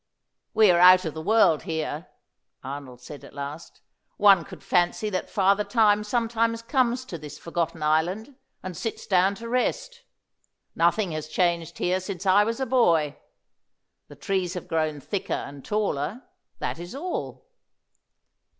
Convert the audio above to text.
"We are out of the world here," Arnold said at last. "One could fancy that Father Time sometimes comes to this forgotten island and sits down to rest. Nothing has changed here since I was a boy; the trees have grown thicker and taller, that is all."